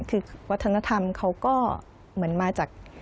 คือวัฒนธรรมเขาก็เหมือนมาจาก